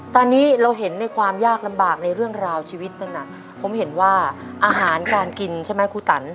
ตอนนี้เราเห็นในความยากลำบากในเรื่องราวชีวิตนั้นน่ะผมเห็นว่าอาหารการกินใช่ไหมครูตัน